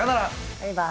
バイバイ。